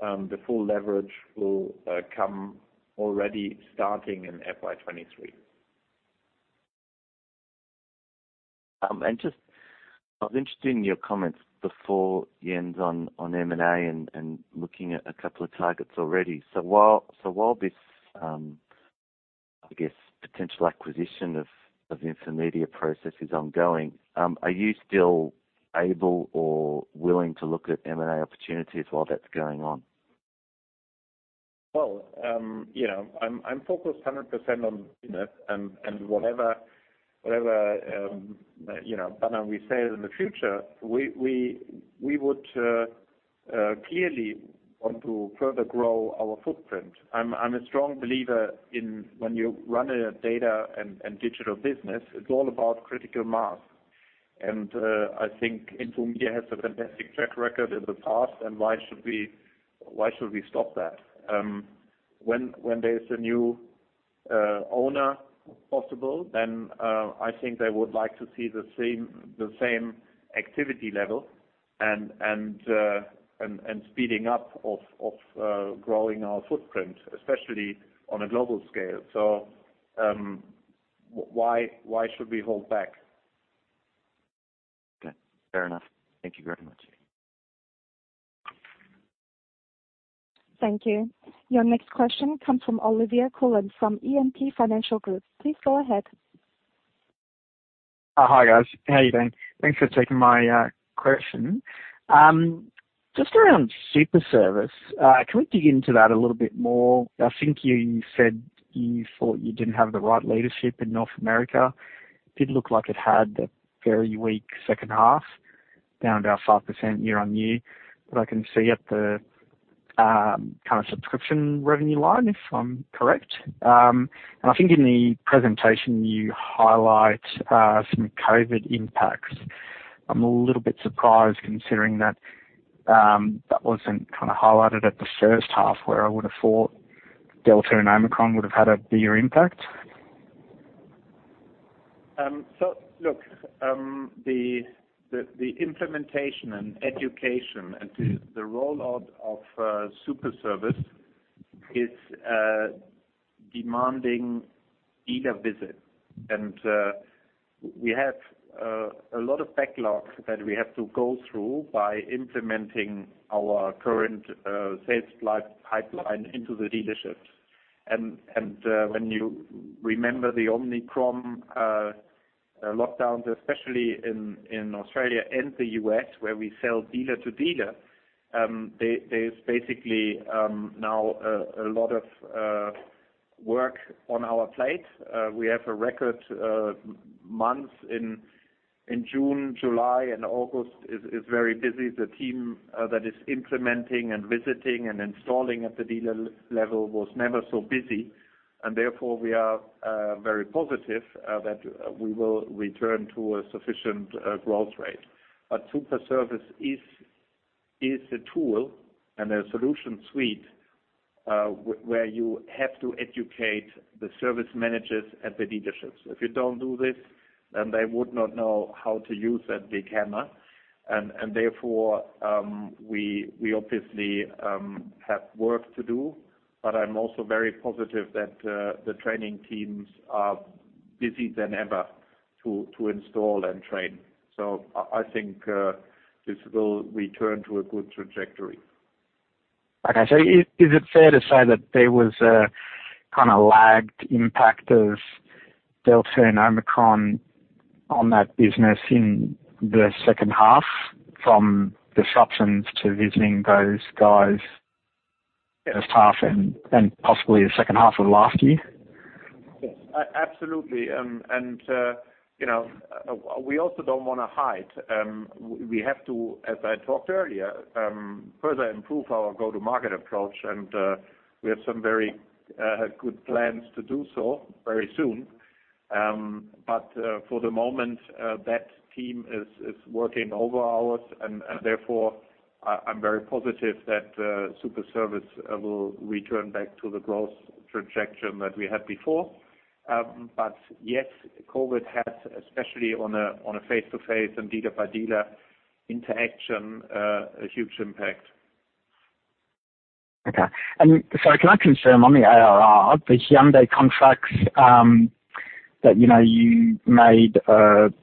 the full leverage will come already starting in FY 2023. Just I was interested in your comments before Jens on M&A and looking at a couple of targets already. While this I guess potential acquisition of Infomedia process is ongoing, are you still able or willing to look at M&A opportunities while that's going on? well I'm focused 100% on and whatever business we sell in the future, we would clearly want to further grow our footprint. I'm a strong believer in when you run a data and digital business, it's all about critical mass. I think Infomedia has a fantastic track record in the past, and why should we stop that? When there's a new owner possible, then I think they would like to see the same activity level and speeding up of growing our footprint, especially on a global scale. Why should we hold back? Okay. Fair enough. Thank you very much. Thank you. Your next question comes from Oliver Cullen from E&P Financial Group. Please go ahead. Hi, guys. How you doing? Thanks for taking my question. Just around Superservice, can we dig into that a little bit more? I think you said you thought you didn't have the right leadership in North America. It did look like it had that very weak H 2, down about 5% year-on-year. I can see at the kind of subscription revenue line, if I'm correct. I think in the presentation, you highlight some COVID impacts. I'm a little bit surprised considering that that wasn't kind of highlighted at the H 1, where I would have thought Delta and Omicron would have had a bigger impact. Look, the implementation and education into the rollout of Superservice is demanding every visit. We have a lot of backlogs that we have to go through by implementing our current sales lifecycle pipeline into the lifecycle. When you remember the Omicron lockdown, especially in Australia and the U.S. where we sell dealer-to-dealer, there's basically now a lot of work on our plate. We have a record month in June, July and August is very busy. The team that is implementing and visiting and installing at the dealer level was never so busy. Therefore, we are very positive that we will return to a sufficient growth rate. Superservice is a tool and a solution suite, where you have to educate the service managers at the dealerships. If you don't do this, they would not know how to use it. They cannot. Therefore, we obviously have work to do, but I'm also very positive that the training teams are busier than ever to install and train. I think this will return to a good trajectory. Okay. Is it fair to say that there was a kinda lagged impact of Delta and Omicron on that business in the H 2 from disruptions to visiting those guys H 1 and possibly the H 2 of last year? Yes. Absolutely. You know, we also don't wanna hide. We have to, as I talked earlier, further improve our go-to-market approach, and we have some very good plans to do so very soon. For the moment, that team is working overtime and therefore I'm very positive that Superservice will return back to the growth trajectory that we had before. Yes, COVID has especially on a face-to-face and dealer-by-dealer interaction a huge impact. Okay. Sorry, can I confirm on the ARR, the Hyundai contracts, that you know, you made an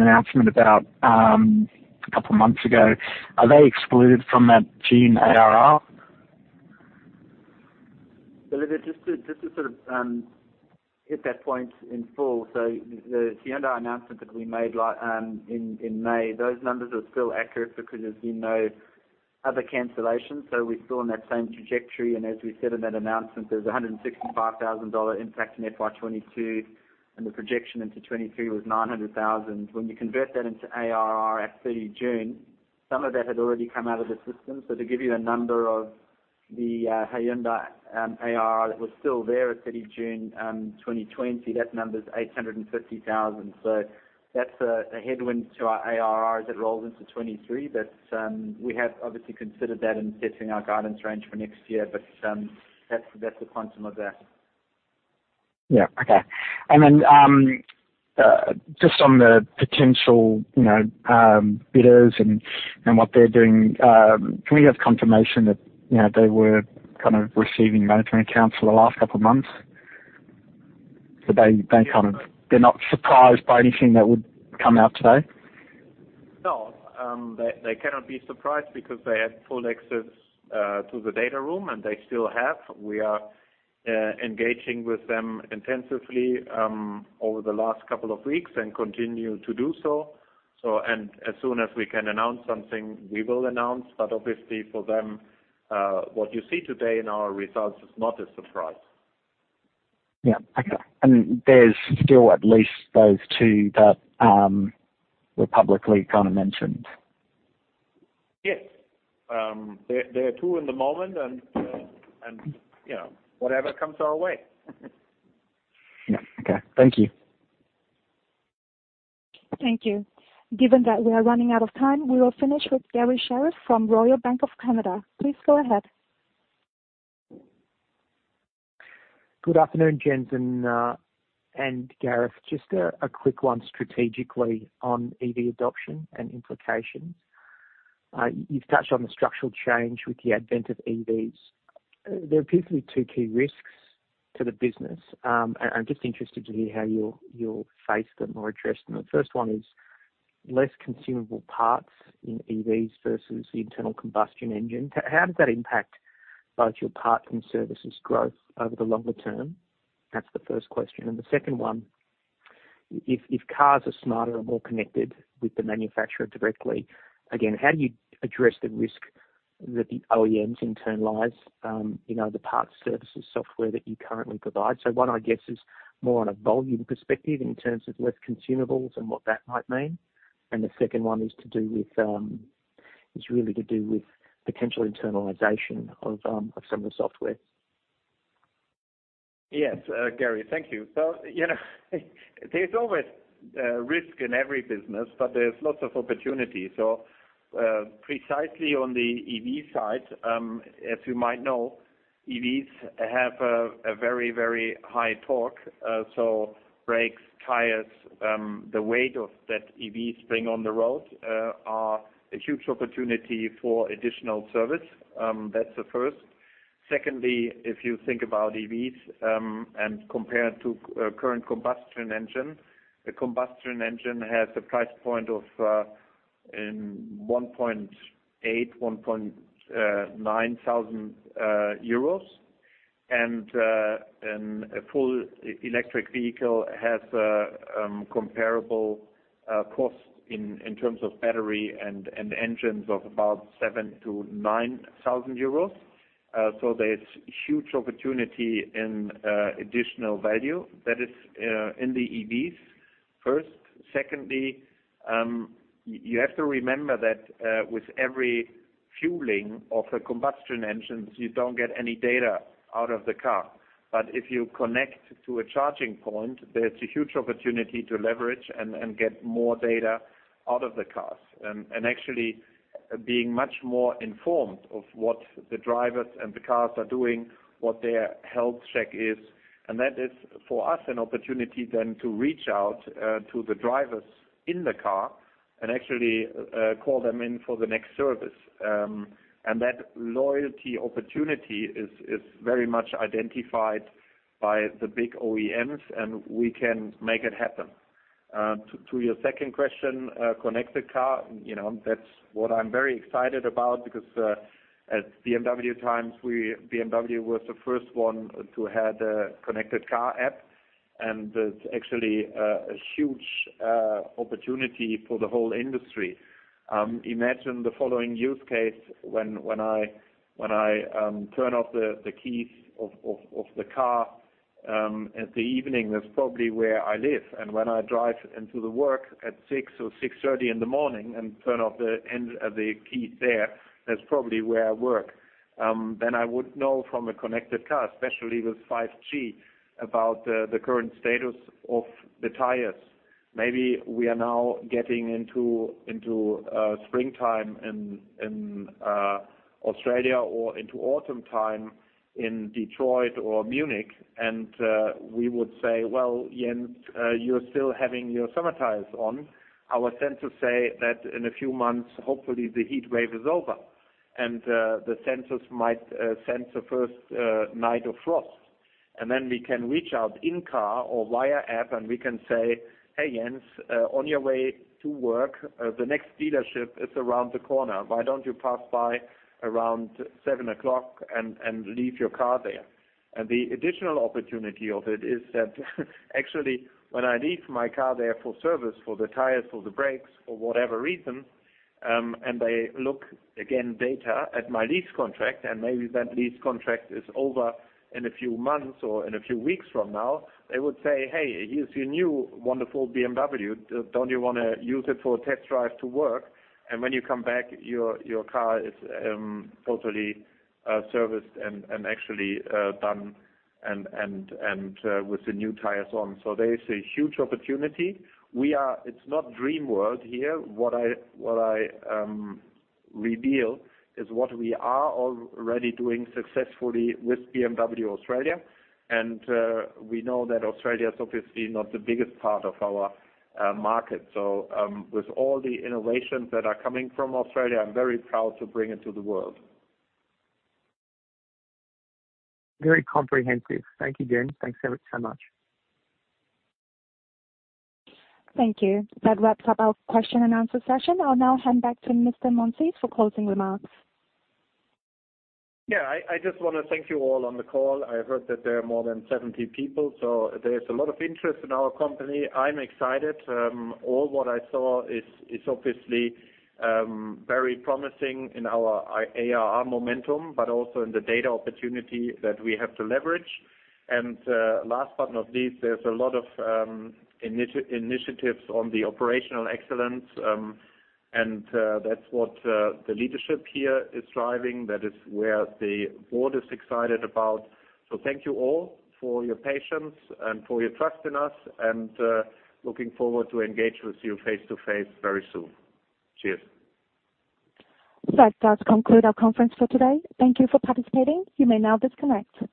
announcement about a couple months ago. Are they excluded from that June ARR? Oliver, just to sort of hit that point in full. The Hyundai announcement that we made in May, those numbers are still accurate because there's been no other cancellation, so we're still in that same trajectory. As we said in that announcement, there's an 165 thousand dollar impact in FY22, and the projection into 2023 was 900 thousand. When you convert that into ARR at 30 June, some of that had already come out of the system. To give you a number of the Hyundai ARR that was still there at 30 June 2020, that number's 850 thousand. That's a headwind to our ARR as it rolls into 2023. we have obviously considered that in setting our guidance range for next year, but that's the quantum of that. Yeah. Okay. Just on the potential bidders and what they're doing. Can we have confirmation that they were kind of receiving management accounts for the last couple of months? They're not surprised by anything that would come out today? No, they cannot be surprised because they had full access to the data room, and they still have. We are engaging with them intensively over the last couple of weeks and continue to do so. And as soon as we can announce something, we will announce. Obviously for them, what you see today in our results is not a surprise. Yeah. Okay. There's still at least those two that were publicly kinda mentioned? Yes. There are two at the moment and whatever comes our way. Yeah. Okay. Thank you. Thank you. Given that we are running out of time, we will finish with Garry Sherriff from Royal Bank of Canada. Please go ahead. Good afternoon, Jens and Gareth. Just a quick one strategically on EV adoption and implications. You've touched on the structural change with the advent of EVs. There appears to be two key risks to the business. I'm just interested to hear how you'll face them or address them. The first one is less consumable parts in EVs versus the internal combustion engine. How does that impact both your parts and services growth over the longer term? That's the first question. The second one, if cars are smarter and more connected with the manufacturer directly, again, how do you address the risk that the OEMs internalize the parts, services, software that you currently provide? One, I guess, is more on a volume perspective in terms of less consumables and what that might mean. The second one is really to do with potential internalization of some of the software. Yes. Garry, thank you. You know, there's always, risk in every business, but there's lots of opportunity. Precisely on the EV side, as you might know, EVs have a very high torque. So brakes, tires, the weight of that EV sprung on the road, are a huge opportunity for additional service. That's the first. Secondly, if you think about EVs, and compared to, current combustion engine, the combustion engine has a price point of 1.8-1.9 thousand euros. A full electric vehicle has comparable cost in terms of battery and engines of about 7-9 thousand EUR. There's huge opportunity in additional value that is in the EVs, first. Secondly, you have to remember that with every fueling of a combustion engine, you don't get any data out of the car. If you connect to a charging point, there's a huge opportunity to leverage and get more data out of the cars, and actually being much more informed of what the drivers and the cars are doing, what their health check is. That is, for us, an opportunity then to reach out to the drivers in the car and actually call them in for the next service. That loyalty opportunity is very much identified by the big OEMs, and we can make it happen. To your second question, connected car that's what I'm very excited about because, in my time at BMW was the first one to have the connected car app, and it's actually a huge opportunity for the whole industry. Imagine the following use case when I turn off the keys of the car in the evening, that's probably where I live. When I drive to work at 6:00 or 6:30 A.M. and turn off the engine there, that's probably where I work. I would know from a connected car, especially with 5G, about the current status of the tires. Maybe we are now getting into springtime in Australia or into autumn time in Detroit or Munich. We would say, "Well, Jens, you're still having your summer tires on." Our sensors say that in a few months, hopefully, the heat wave is over, and the sensors might sense the first night of frost. Then we can reach out in car or via app, and we can say, "Hey, Jens, on your way to work, the next dealership is around the corner. Why don't you pass by around seven o'clock and leave your car there?" The additional opportunity of it is that actually, when I leave my car there for service, for the tires, for the brakes, for whatever reason, and they look again at data at my lease contract, and maybe that lease contract is over in a few months or in a few weeks from now. They would say, "Hey, here's your new wonderful BMW. Don't you wanna use it for a test drive to work? And when you come back, your car is totally serviced and actually done and with the new tires on." There is a huge opportunity. It's not dream world here. What I reveal is what we are already doing successfully with BMW Australia. We know that Australia is obviously not the biggest part of our market. With all the innovations that are coming from Australia, I'm very proud to bring it to the world. Very comprehensive. Thank you, Jens. Thanks so much. Thank you. That wraps up our question and answer session. I'll now hand back to Mr. Monsees for closing remarks. Yeah. I just wanna thank you all on the call. I heard that there are more than 70 people, so there's a lot of interest in our company. I'm excited. All what I saw is obviously very promising in our ARR momentum, but also in the data opportunity that we have to leverage. Last but not least, there's a lot of initiatives on the operational excellence. That's what the leadership here is driving. That is where the board is excited about. Thank you all for your patience and for your trust in us, and looking forward to engage with you face-to-face very soon. Cheers. That does conclude our conference for today. Thank you for participating. You may now disconnect.